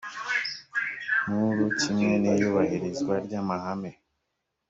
nkuru kimwe n iyubahirizwa ry amahame